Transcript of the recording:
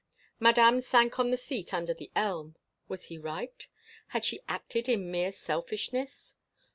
Madame sank on the seat under the elm. Was he right? Had she acted in mere selfishness?